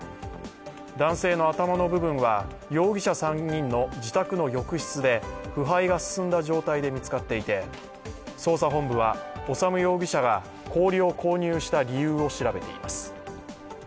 男性の頭の部分は容疑者３人の自宅の浴室で腐敗が進んだ状態が見つかっていて捜査本部は修容疑者が氷を購入した理由を調べています。